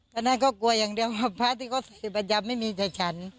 ตอนนั้นเขากลัวอย่างเดียวว่าพระที่เขาเสพประจำไม่มีแต่ฉัน